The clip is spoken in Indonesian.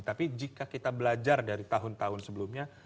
tapi jika kita belajar dari tahun tahun sebelumnya